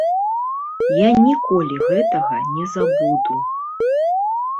Я ніколі гэтага не забуду.